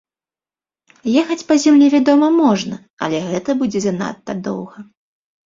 Ехаць па зямлі вядома можна, але гэта будзе занадта доўга.